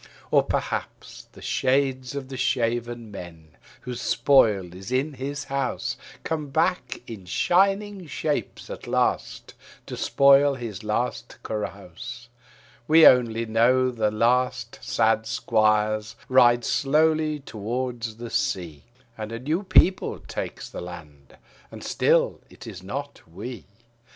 Or perhaps the shades of the shaven men, whose spoil is in his house, Come back in shining shapes at last to spil his last carouse: We only know the last sad squires ride slowly towards the sea, And a new people takes the land: and still it is not we.